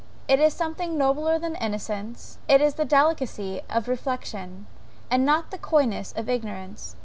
It is something nobler than innocence; it is the delicacy of reflection, and not the coyness of ignorance.